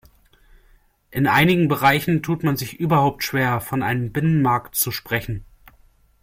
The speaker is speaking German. In einigen Bereichen tut man sich überhaupt schwer, von einem Binnenmarkt zu sprechen.